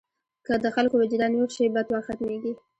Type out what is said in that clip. که د خلکو وجدان ویښ شي، بد واک ختمېږي.